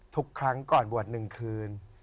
ทุกครั้งก่อนบวช๑คืน